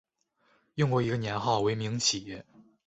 用过一个年号为明启。